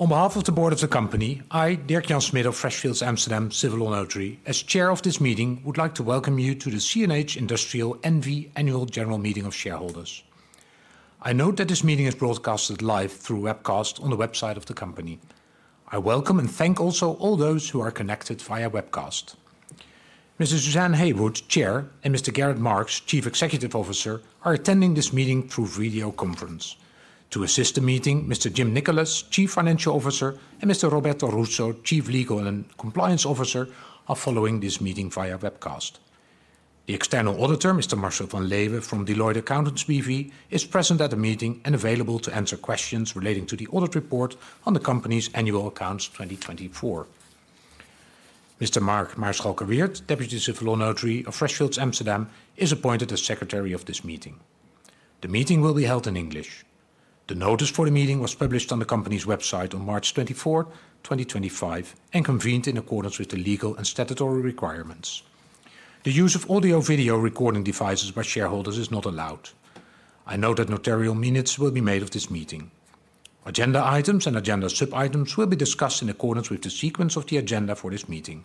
On behalf of the board of the company, I, Dirk-Jan Smit of Freshfields Amsterdam Civil Law Notary, as chair of this meeting, would like to welcome you to the CNH Industrial NV Annual General Meeting of Shareholders. I note that this meeting is broadcast live through webcast on the website of the company. I welcome and thank also all those who are connected via webcast. Ms. Suzanne Heywood, chair, and Mr. Gerrit Marx, Chief Executive Officer, are attending this meeting through video conference. To assist the meeting, Mr. Jim Nickolas, Chief Financial Officer, and Mr. Roberto Russo, Chief Legal and Compliance Officer, are following this meeting via webcast. The external auditor, Mr. Marcel van Leeuwen from Deloitte Accountants B.V., is present at the meeting and available to answer questions relating to the audit report on the company's annual accounts 2024. Mr. Mark Maarschalkerweerd, Deputy from Freshfields Amsterdam, is appointed as secretary of this meeting. The meeting will be held in English. The notice for the meeting was published on the company's website on March 24, 2025, and convened in accordance with the legal and statutory requirements. The use of audio-video recording devices by shareholders is not allowed. I know that notarial minutes will be made of this meeting. Agenda items and agenda sub-items will be discussed in accordance with the sequence of the agenda for this meeting.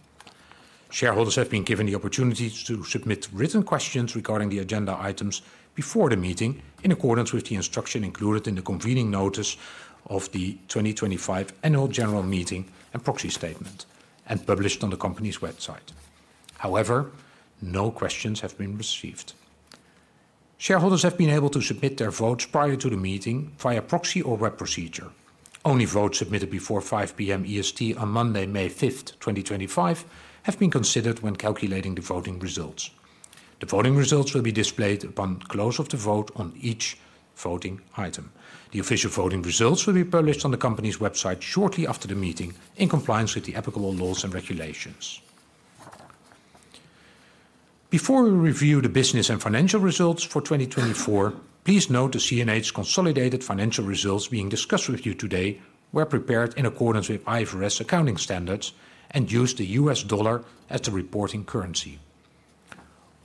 Shareholders have been given the opportunity to submit written questions regarding the agenda items before the meeting in accordance with the instruction included in the convening notice of the 2025 Annual General Meeting and Proxy Statement and published on the company's website. However, no questions have been received. Shareholders have been able to submit their votes prior to the meeting via proxy or web procedure. Only votes submitted before 5:00 P.M. EST on Monday, May 5, 2025, have been considered when calculating the voting results. The voting results will be displayed upon close of the vote on each voting item. The official voting results will be published on the company's website shortly after the meeting in compliance with the applicable laws and regulations. Before we review the business and financial results for 2024, please note the CNH's consolidated financial results being discussed with you today were prepared in accordance with IFRS accounting standards and use the U.S. dollar as the reporting currency.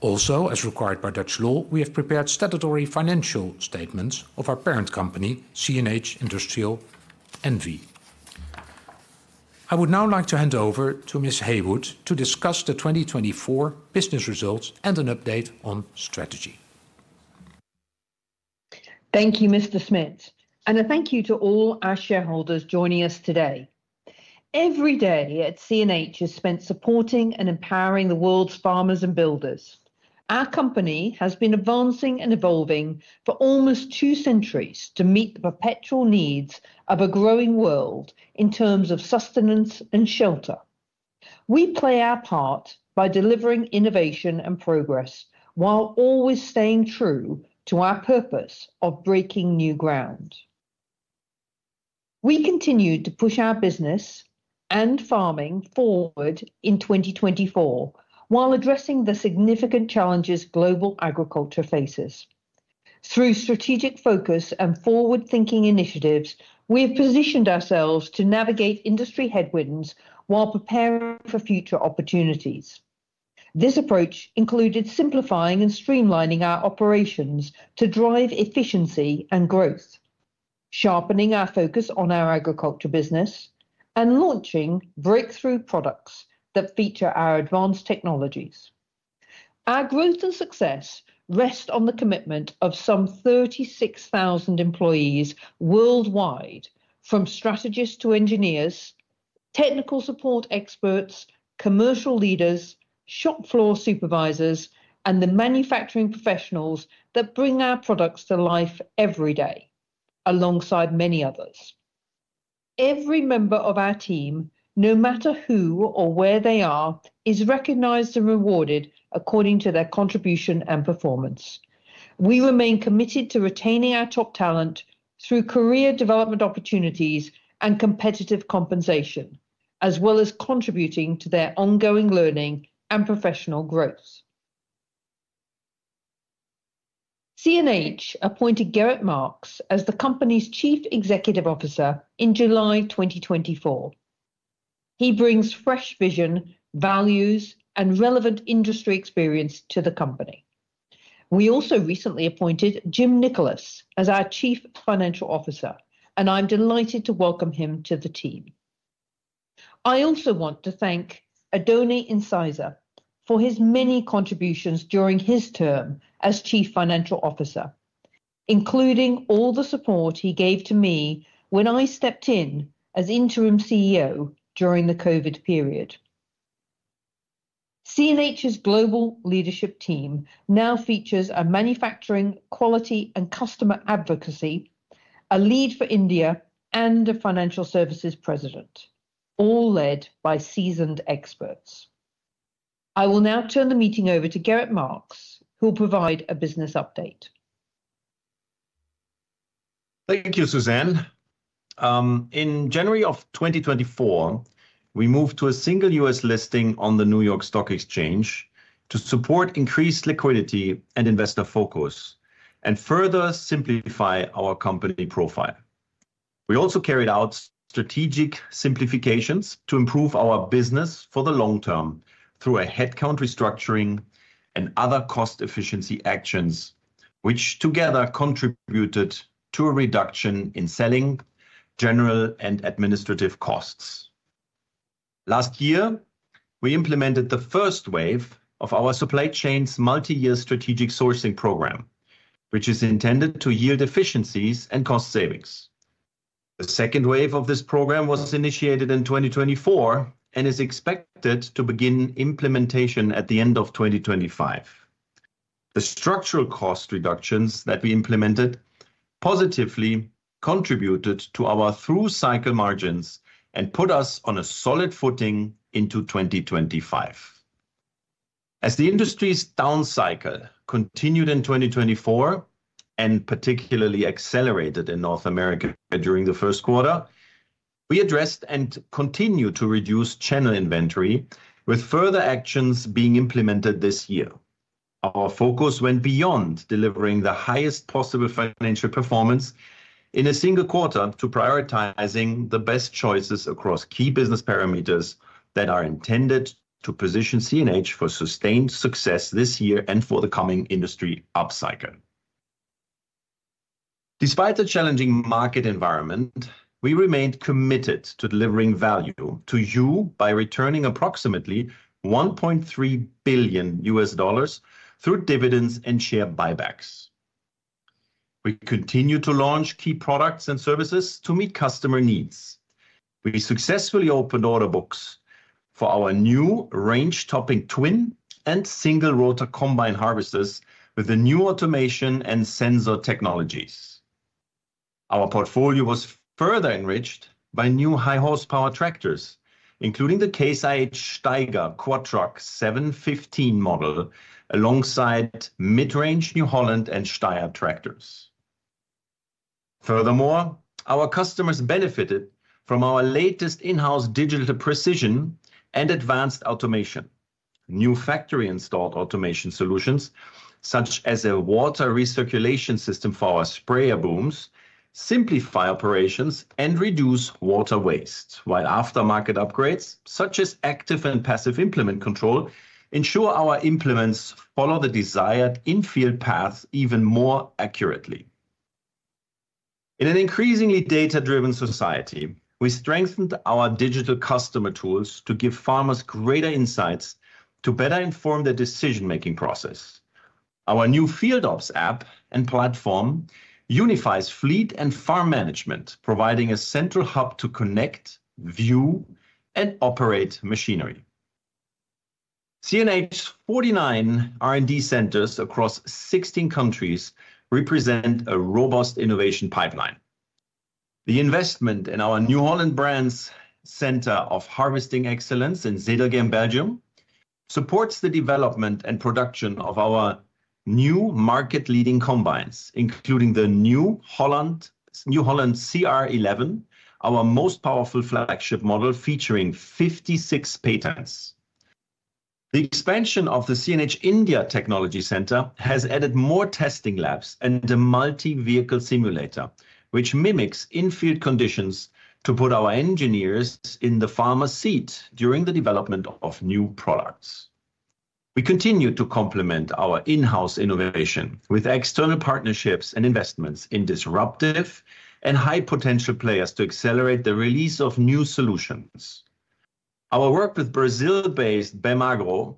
Also, as required by Dutch law, we have prepared statutory financial statements of our parent company, CNH Industrial NV. I would now like to hand over to Ms. Heywood to discuss the 2024 business results and an update on strategy. Thank you, Mr. Smit, and thank you to all our shareholders joining us today. Every day at CNH is spent supporting and empowering the world's farmers and builders. Our company has been advancing and evolving for almost two centuries to meet the perpetual needs of a growing world in terms of sustenance and shelter. We play our part by delivering innovation and progress while always staying true to our purpose of breaking new ground. We continue to push our business and farming forward in 2024 while addressing the significant challenges global agriculture faces. Through strategic focus and forward-thinking initiatives, we have positioned ourselves to navigate industry headwinds while preparing for future opportunities. This approach included simplifying and streamlining our operations to drive efficiency and growth, sharpening our focus on our agriculture business, and launching breakthrough products that feature our advanced technologies. Our growth and success rest on the commitment of some 36,000 employees worldwide, from strategists to engineers, technical support experts, commercial leaders, shop floor supervisors, and the manufacturing professionals that bring our products to life every day, alongside many others. Every member of our team, no matter who or where they are, is recognized and rewarded according to their contribution and performance. We remain committed to retaining our top talent through career development opportunities and competitive compensation, as well as contributing to their ongoing learning and professional growth. CNH appointed Gerrit Marx as the company's Chief Executive Officer in July 2024. He brings fresh vision, values, and relevant industry experience to the company. We also recently appointed Jim Nickolas as our Chief Financial Officer, and I'm delighted to welcome him to the team. I also want to thank Oddone Incisa for his many contributions during his term as Chief Financial Officer, including all the support he gave to me when I stepped in as interim CEO during the COVID period. CNH's global leadership team now features a manufacturing quality and customer advocacy, a lead for India, and a financial services president, all led by seasoned experts. I will now turn the meeting over to Gerrit Marx, who will provide a business update. Thank you, Suzanne. In January of 2024, we moved to a single U.S. listing on the New York Stock Exchange to support increased liquidity and investor focus and further simplify our company profile. We also carried out strategic simplifications to improve our business for the long term through a headcount restructuring and other cost efficiency actions, which together contributed to a reduction in selling, general, and administrative costs. Last year, we implemented the first wave of our supply chain's multi-year strategic sourcing program, which is intended to yield efficiencies and cost savings. The second wave of this program was initiated in 2024 and is expected to begin implementation at the end of 2025. The structural cost reductions that we implemented positively contributed to our through cycle margins and put us on a solid footing into 2025. As the industry's down cycle continued in 2024 and particularly accelerated in North America during the first quarter, we addressed and continue to reduce channel inventory, with further actions being implemented this year. Our focus went beyond delivering the highest possible financial performance in a single quarter to prioritizing the best choices across key business parameters that are intended to position CNH for sustained success this year and for the coming industry up cycle. Despite the challenging market environment, we remained committed to delivering value to you by returning approximately $1.3 billion through dividends and share buybacks. We continue to launch key products and services to meet customer needs. We successfully opened order books for our new range-topping twin and single-rotor combine harvesters with the new automation and sensor technologies. Our portfolio was further enriched by new high-horsepower tractors, including the Case IH Steiger Quadtrac 715 model, alongside mid-range New Holland and Steyr tractors. Furthermore, our customers benefited from our latest in-house digital precision and advanced automation. New factory-installed automation solutions, such as a water recirculation system for our sprayer booms, simplify operations and reduce water waste, while aftermarket upgrades, such as active and passive implement control, ensure our implements follow the desired infield path even more accurately. In an increasingly data-driven society, we strengthened our digital customer tools to give farmers greater insights to better inform their decision-making process. Our new Field Ops app and platform unifies fleet and farm management, providing a central hub to connect, view, and operate machinery. CNH's 49 R&D centers across 16 countries represent a robust innovation pipeline. The investment in our New Holland brand's Center of Harvesting Excellence in Zedelgem, Belgium supports the development and production of our new market-leading combines, including the New Holland CR11, our most powerful flagship model featuring 56 patents. The expansion of the CNH India Technology Center has added more testing labs and a multi-vehicle simulator, which mimics infield conditions to put our engineers in the farmer's seat during the development of new products. We continue to complement our in-house innovation with external partnerships and investments in disruptive and high-potential players to accelerate the release of new solutions. Our work with Brazil-based BemAgro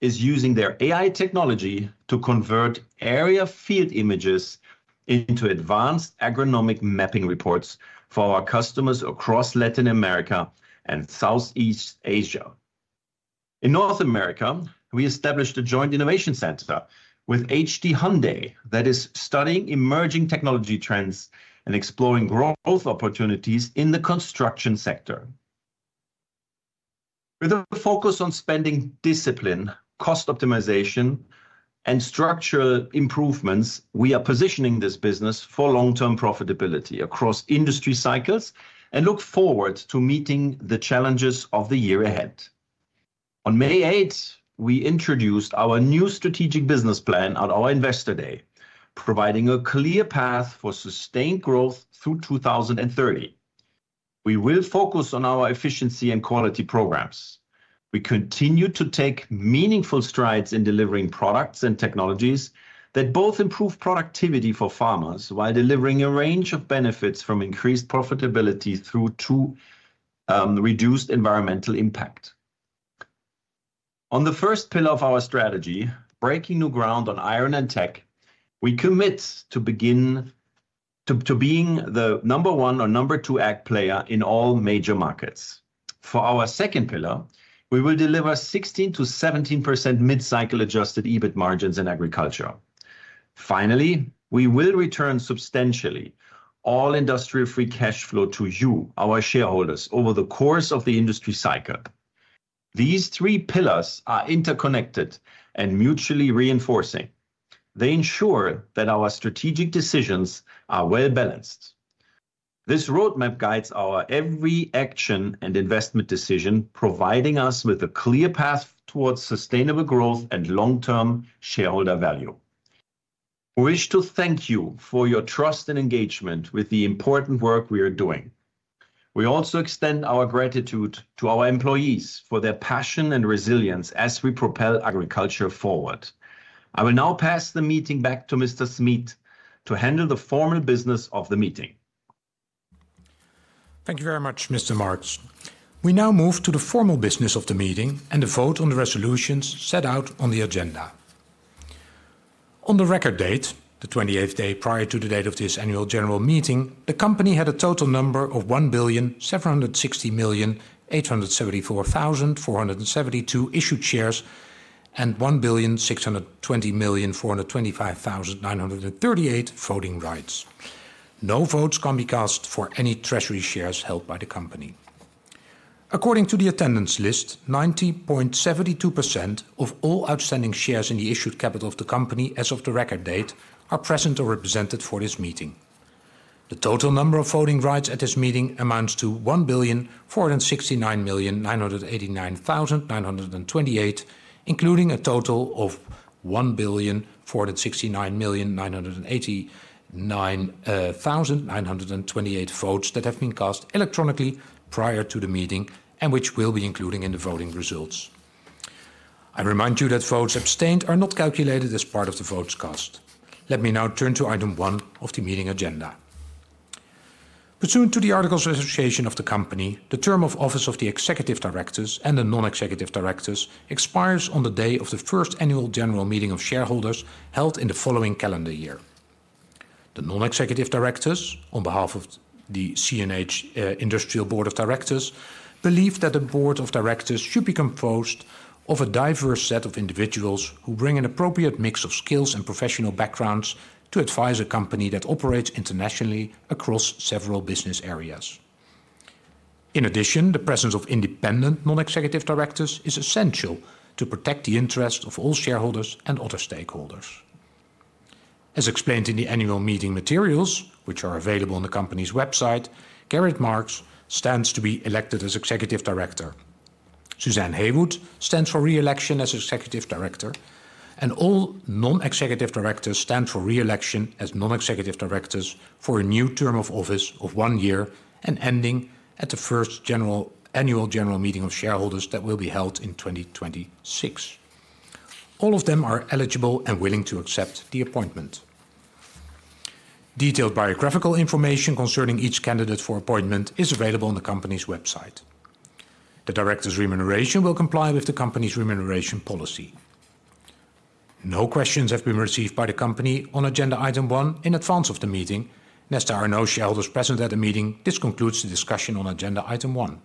is using their AI technology to convert area field images into advanced agronomic mapping reports for our customers across Latin America and Southeast Asia. In North America, we established a joint innovation center with HD Hyundai that is studying emerging technology trends and exploring growth opportunities in the construction sector. With a focus on spending discipline, cost optimization, and structural improvements, we are positioning this business for long-term profitability across industry cycles and look forward to meeting the challenges of the year ahead. On May 8, we introduced our new strategic business plan at our investor day, providing a clear path for sustained growth through 2030. We will focus on our efficiency and quality programs. We continue to take meaningful strides in delivering products and technologies that both improve productivity for farmers while delivering a range of benefits from increased profitability through reduced environmental impact. On the first pillar of our strategy, breaking new ground on iron and tech, we commit to being the number one or number two ag player in all major markets. For our second pillar, we will deliver 16%-17% mid-cycle adjusted EBIT margins in agriculture. Finally, we will return substantially all industrial-free cash flow to you, our shareholders, over the course of the industry cycle. These three pillars are interconnected and mutually reinforcing. They ensure that our strategic decisions are well-balanced. This roadmap guides our every action and investment decision, providing us with a clear path towards sustainable growth and long-term shareholder value. We wish to thank you for your trust and engagement with the important work we are doing. We also extend our gratitude to our employees for their passion and resilience as we propel agriculture forward. I will now pass the meeting back to Mr. Smit to handle the formal business of the meeting. Thank you very much, Mr. Marx. We now move to the formal business of the meeting and the vote on the resolutions set out on the agenda. On the record date, the 28th day prior to the date of this annual general meeting, the company had a total number of 1,760,874,472 issued shares and 1,620,425,938 voting rights. No votes can be cast for any treasury shares held by the company. According to the attendance list, 90.72% of all outstanding shares in the issued capital of the company as of the record date are present or represented for this meeting. The total number of voting rights at this meeting amounts to 1,469,989,928, including a total of 1,469,989,928 votes that have been cast electronically prior to the meeting and which we'll be including in the voting results. I remind you that votes abstained are not calculated as part of the votes cast. Let me now turn to item one of the meeting agenda. Pursuant to the Articles of Association of the company, the term of office of the executive directors and the non-executive directors expires on the day of the first annual general meeting of shareholders held in the following calendar year. The non-executive directors, on behalf of the CNH Industrial Board of Directors, believe that the Board of Directors should be composed of a diverse set of individuals who bring an appropriate mix of skills and professional backgrounds to advise a company that operates internationally across several business areas. In addition, the presence of independent non-executive directors is essential to protect the interests of all shareholders and other stakeholders. As explained in the annual meeting materials, which are available on the company's website, Gerrit Marx stands to be elected as executive director. Suzanne Heywood stands for re-election as executive director, and all non-executive directors stand for re-election as non-executive directors for a new term of office of one year and ending at the first annual general meeting of shareholders that will be held in 2026. All of them are eligible and willing to accept the appointment. Detailed biographical information concerning each candidate for appointment is available on the company's website. The director's remuneration will comply with the company's remuneration policy. No questions have been received by the company on agenda item one in advance of the meeting, lest there are no shareholders present at the meeting. This concludes the discussion on agenda item one.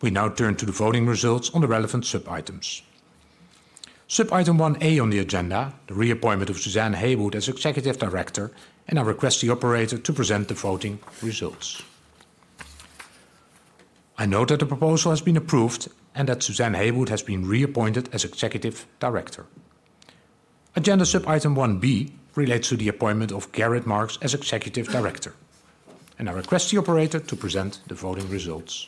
We now turn to the voting results on the relevant sub-items. Sub-item one A on the agenda, the reappointment of Suzanne Heywood as executive director, and I request the operator to present the voting results. I note that the proposal has been approved and that Suzanne Heywood has been reappointed as Executive Director. Agenda sub-item one B relates to the appointment of Gerrit Marx as Executive Director, and I request the operator to present the voting results.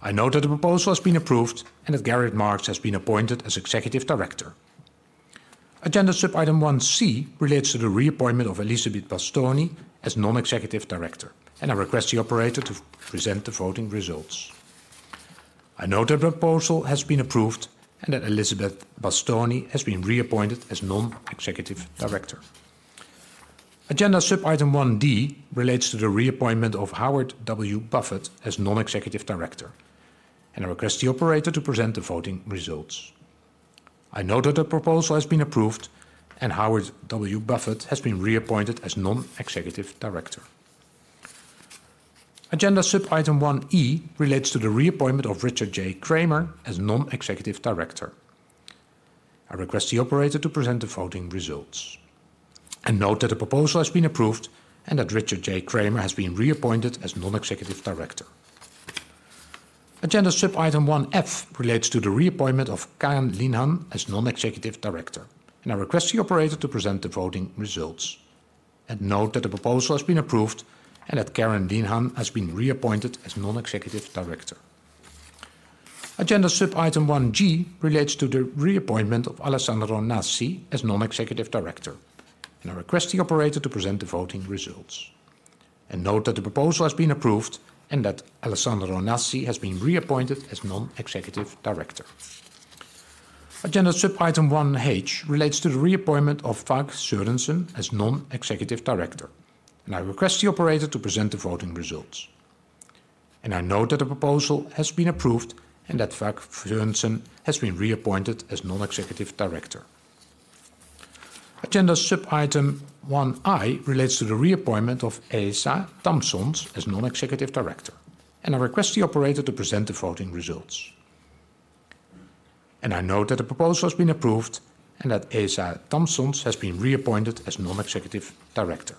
I note that the proposal has been approved and that Gerrit Marx has been appointed as Executive Director. Agenda sub-item one C relates to the reappointment of Elizabeth Bastoni as Non-Executive Director, and I request the operator to present the voting results. I note that the proposal has been approved and that Elizabeth Bastoni has been reappointed as Non-Executive Director. Agenda sub-item one D relates to the reappointment of Howard W. Buffett as Non-Executive Director, and I request the operator to present the voting results. I note that the proposal has been approved and Howard W. Buffett has been reappointed as Non-Executive Director. Agenda sub-item one E relates to the reappointment of Richard J. Kramer as non-executive director. I request the operator to present the voting results. I note that the proposal has been approved and that Richard J. Kramer has been reappointed as non-executive director. Agenda sub-item one F relates to the reappointment of Karen Linehan as non-executive director, and I request the operator to present the voting results. I note that the proposal has been approved and that Karen Linehan has been reappointed as non-executive director. Agenda sub-item one G relates to the reappointment of Alessandro Nasi as non-executive director, and I request the operator to present the voting results. I note that the proposal has been approved and that Alessandro Nasi has been reappointed as non-executive director. Agenda sub-item one H relates to the reappointment of Vahn Sørensen as non-executive director, and I request the operator to present the voting results. I note that the proposal has been approved and that Vahn Sørensen has been reappointed as non-executive director. Agenda sub-item one I relates to the reappointment of Asa Tamsons as non-executive director, and I request the operator to present the voting results. I note that the proposal has been approved and that Asa Tamsons has been reappointed as non-executive director.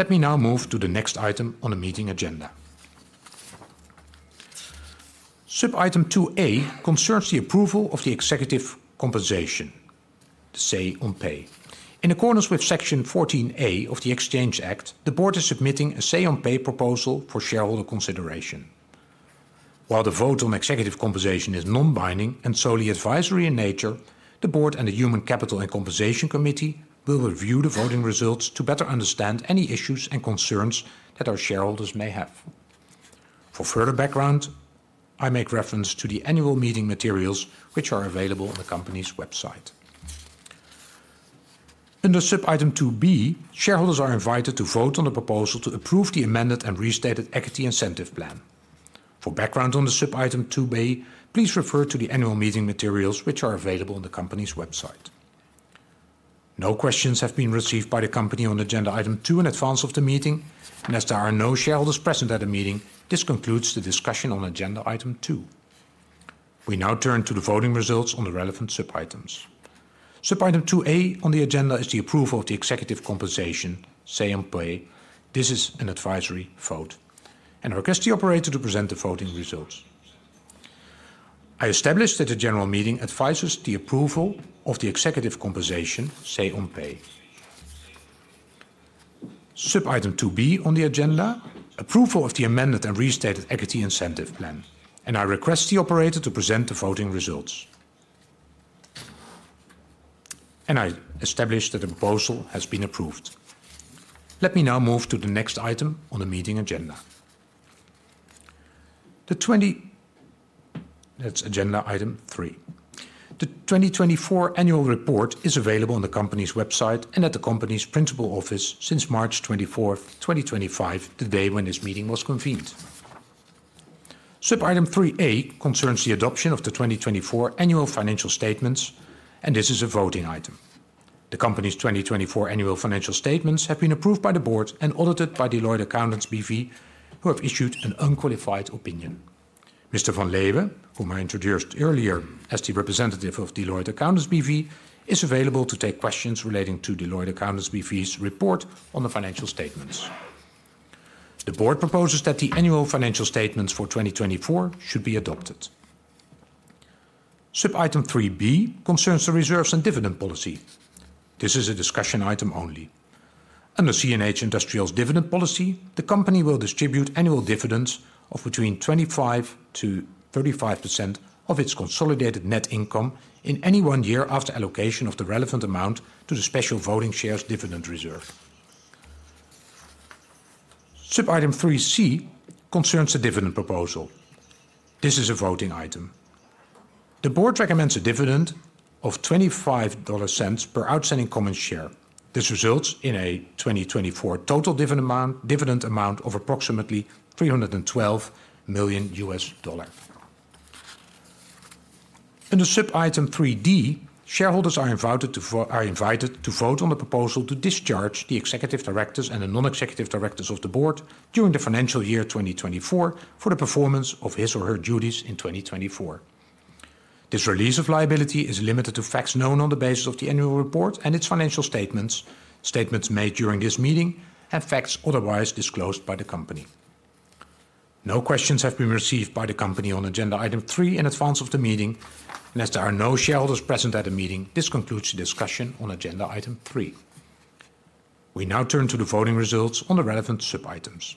Let me now move to the next item on the meeting agenda. Sub-item two A concerns the approval of the executive compensation, the say-on-pay. In accordance with Section 14A of the Exchange Act, the board is submitting a say-on-pay proposal for shareholder consideration. While the vote on executive compensation is non-binding and solely advisory in nature, the board and the Human Capital and Compensation Committee will review the voting results to better understand any issues and concerns that our shareholders may have. For further background, I make reference to the annual meeting materials, which are available on the company's website. Under sub-item two B, shareholders are invited to vote on the proposal to approve the amended and restated equity incentive plan. For background on the sub-item two B, please refer to the annual meeting materials, which are available on the company's website. No questions have been received by the company on agenda item two in advance of the meeting, and as there are no shareholders present at the meeting, this concludes the discussion on agenda item two. We now turn to the voting results on the relevant sub-items. Sub-item two A on the agenda is the approval of the executive compensation, say-on-pay. This is an advisory vote, and I request the operator to present the voting results. I establish that the general meeting advises the approval of the executive compensation, say-on-pay. Sub-item two B on the agenda, approval of the amended and restated equity incentive plan, and I request the operator to present the voting results. I establish that the proposal has been approved. Let me now move to the next item on the meeting agenda. The 20, that's agenda item three. The 2024 annual report is available on the company's website and at the company's principal office since March 24, 2025, the day when this meeting was convened. Sub-item three A concerns the adoption of the 2024 annual financial statements, and this is a voting item. The company's 2024 annual financial statements have been approved by the board and audited by Deloitte Accountants B.V., who have issued an unqualified opinion. Mr. van Leeuwen, whom I introduced earlier as the representative of Deloitte Accountants B.V., is available to take questions relating to Deloitte Accountants B.V.'s report on the financial statements. The board proposes that the annual financial statements for 2024 should be adopted. Sub-item three B concerns the reserves and dividend policy. This is a discussion item only. Under CNH Industrial's dividend policy, the company will distribute annual dividends of between 25%-35% of its consolidated net income in any one year after allocation of the relevant amount to the special voting shares dividend reserve. Sub-item three C concerns the dividend proposal. This is a voting item. The board recommends a dividend of $0.25 per outstanding common share. This results in a 2024 total dividend amount of approximately $312 million US dollars. Under sub-item three D, shareholders are invited to vote on the proposal to discharge the executive directors and the non-executive directors of the board during the financial year 2024 for the performance of his or her duties in 2024. This release of liability is limited to facts known on the basis of the annual report and its financial statements, statements made during this meeting, and facts otherwise disclosed by the company. No questions have been received by the company on agenda item three in advance of the meeting, and as there are no shareholders present at the meeting, this concludes the discussion on agenda item three. We now turn to the voting results on the relevant sub-items.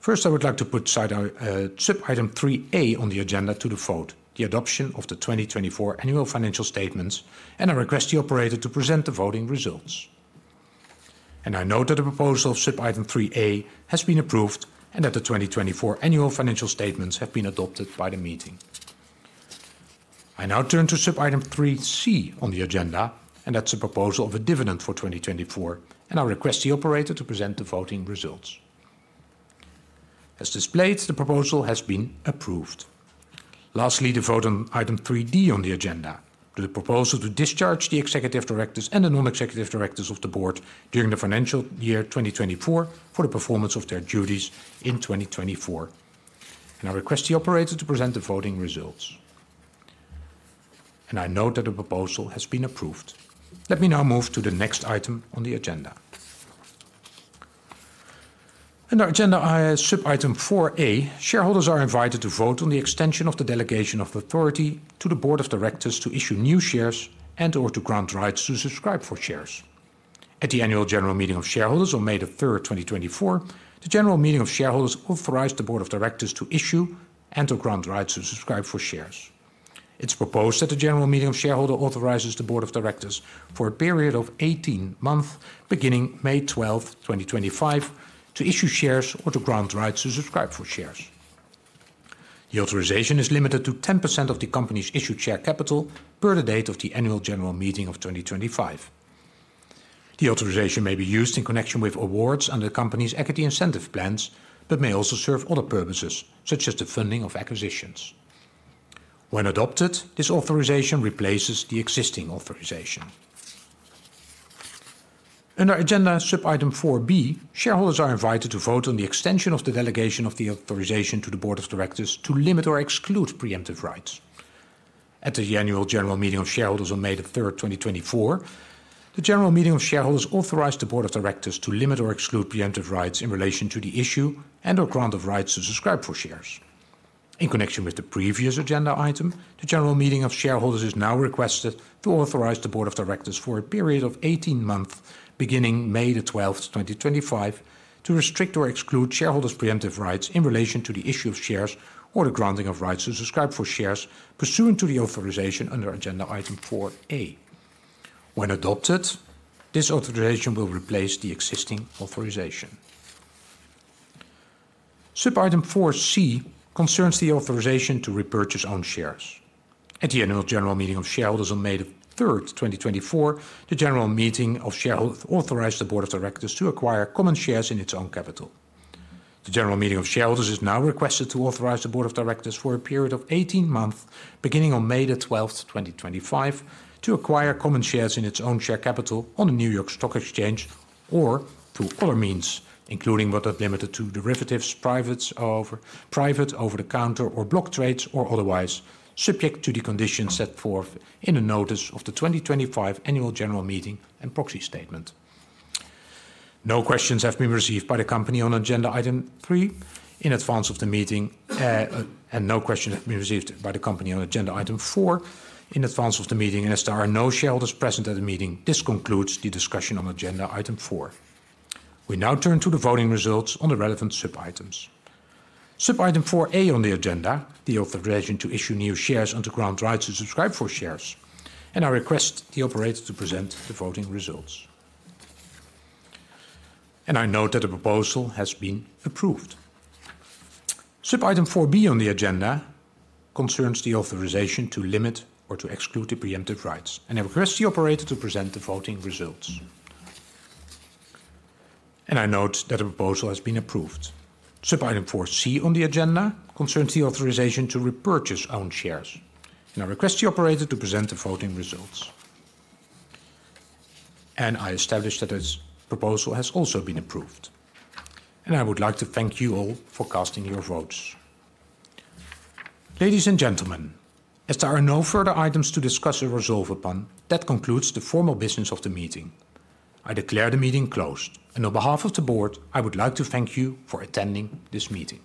First, I would like to put sub-item three A on the agenda to the vote, the adoption of the 2024 annual financial statements, and I request the operator to present the voting results. I note that the proposal of sub-item three A has been approved and that the 2024 annual financial statements have been adopted by the meeting. I now turn to sub-item three C on the agenda, and that's a proposal of a dividend for 2024, and I request the operator to present the voting results. As displayed, the proposal has been approved. Lastly, the voting item three D on the agenda, the proposal to discharge the executive directors and the non-executive directors of the board during the financial year 2024 for the performance of their duties in 2024. I request the operator to present the voting results. I note that the proposal has been approved. Let me now move to the next item on the agenda. Under agenda sub-item four A, shareholders are invited to vote on the extension of the delegation of authority to the board of directors to issue new shares and/or to grant rights to subscribe for shares. At the annual general meeting of shareholders on May 3, 2024, the general meeting of shareholders authorized the board of directors to issue and to grant rights to subscribe for shares. It's proposed that the general meeting of shareholders authorizes the board of directors for a period of 18 months beginning May 12, 2025, to issue shares or to grant rights to subscribe for shares. The authorization is limited to 10% of the company's issued share capital per the date of the annual general meeting of 2025. The authorization may be used in connection with awards under the company's equity incentive plans, but may also serve other purposes, such as the funding of acquisitions. When adopted, this authorization replaces the existing authorization. Under agenda sub-item four B, shareholders are invited to vote on the extension of the delegation of the authorization to the Board of Directors to limit or exclude preemptive rights. At the Annual General Meeting of shareholders on May 3rd, 2024, the General Meeting of shareholders authorized the Board of Directors to limit or exclude preemptive rights in relation to the issue and/or grant of rights to subscribe for shares. In connection with the previous agenda item, the general meeting of shareholders is now requested to authorize the board of directors for a period of 18 months beginning May 12th, 2025, to restrict or exclude shareholders' preemptive rights in relation to the issue of shares or the granting of rights to subscribe for shares pursuant to the authorization under agenda item four A. When adopted, this authorization will replace the existing authorization. Sub-item four C concerns the authorization to repurchase own shares. At the annual general meeting of shareholders on May 3rd, 2024, the general meeting of shareholders authorized the board of directors to acquire common shares in its own capital. The general meeting of shareholders is now requested to authorize the board of directors for a period of 18 months beginning on May 12, 2025, to acquire common shares in its own share capital on the New York Stock Exchange or through other means, including what are limited to derivatives, privates, over-the-counter, or block trades, or otherwise, subject to the conditions set forth in the notice of the 2025 annual general meeting and proxy statement. No questions have been received by the company on agenda item three in advance of the meeting, and no questions have been received by the company on agenda item four in advance of the meeting, and as there are no shareholders present at the meeting, this concludes the discussion on agenda item four. We now turn to the voting results on the relevant sub-items. Sub-item four A on the agenda, the authorization to issue new shares and to grant rights to subscribe for shares, and I request the operator to present the voting results. I note that the proposal has been approved. Sub-item four B on the agenda concerns the authorization to limit or to exclude the preemptive rights, and I request the operator to present the voting results. I note that the proposal has been approved. Sub-item four C on the agenda concerns the authorization to repurchase own shares, and I request the operator to present the voting results. I establish that this proposal has also been approved, and I would like to thank you all for casting your votes. Ladies and gentlemen, as there are no further items to discuss or resolve upon, that concludes the formal business of the meeting. I declare the meeting closed, and on behalf of the board, I would like to thank you for attending this meeting.